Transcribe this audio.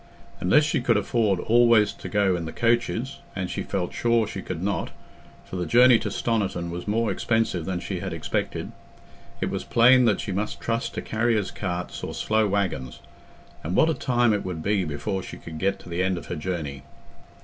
Unless she could afford always to go in the coaches—and she felt sure she could not, for the journey to Stoniton was more expensive than she had expected—it was plain that she must trust to carriers' carts or slow waggons; and what a time it would be before she could get to the end of her journey!